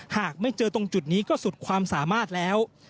หากไม่เจอตรงจุดนี้ก็สุดความสามารถแล้ว